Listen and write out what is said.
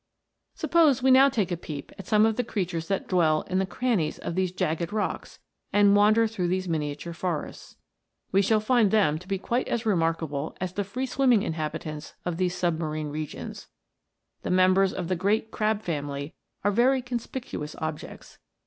Suppose we now take a peep at some of the creatures that dwell in the crannies of these jagged rocks and wander through these miniature forests. We shall find them to be quite as remarkable * Pelagia. f Cydippe. 120 THE MERMAID'S HOME. as the free swimming inhabitants of these submarine regions. The members of the great crab family are very conspicuous objects.